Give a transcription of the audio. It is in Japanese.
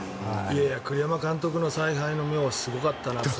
栗山監督の采配の妙はやっぱりすごかったなと。